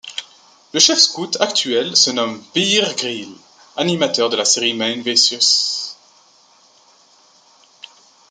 Le Chef Scout actuel se nomme Bear Grylls, animateur de la série Man vs.